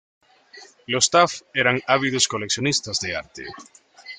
Los Taft eran ávidos coleccionistas de arte.